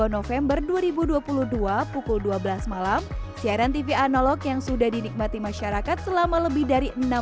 november dua ribu dua puluh dua pukul dua belas malam siaran tv analog yang sudah dinikmati masyarakat selama lebih dari